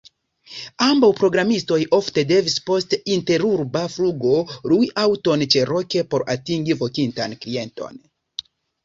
Ambaŭ programistoj ofte devis post interurba flugo lui aŭton ĉeloke por atingi vokintan klienton.